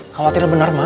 khawatir bener ma